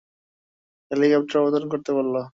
Helicopter অবতরণ করতে বলো।